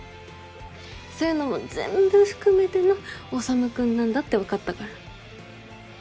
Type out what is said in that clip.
そういうのも全部含めての修君なんだって分かったから。